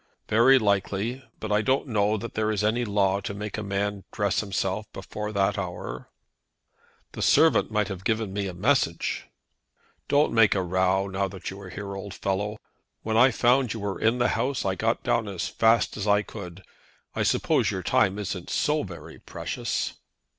"Very likely; but I don't know that there is any law to make a man dress himself before that hour." "The servant might have given me a message." "Don't make a row now you are here, old fellow. When I found you were in the house I got down as fast as I could. I suppose your time isn't so very precious."